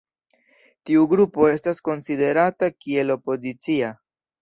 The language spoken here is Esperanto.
Tiu grupo estas konsiderata kiel opozicia.